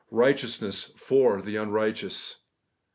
RIGHTEOUSNESS FOR THE UNRIGHTEOUS